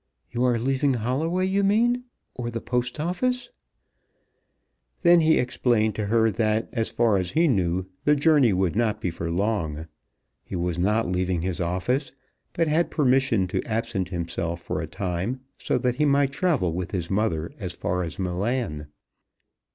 You are leaving Holloway, you mean, or the Post Office." Then he explained to her that as far as he knew the journey would not be for long. He was not leaving his office, but had permission to absent himself for a time, so that he might travel with his mother as far as Milan.